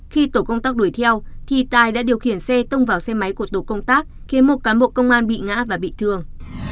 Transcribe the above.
khi tổ công tác đuổi theo thì tài đã điều khiển xe tông vào xe máy của tổ công tác khiến một cán bộ công an bị ngã và bị thương